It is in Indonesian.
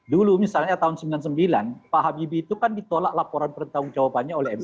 dulu misalnya tahun sembilan puluh sembilan pak habibie itu kan ditolak laporan pertanggung jawabannya oleh mk